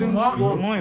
うまい。